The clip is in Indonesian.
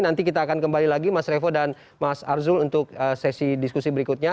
nanti kita akan kembali lagi mas revo dan mas arzul untuk sesi diskusi berikutnya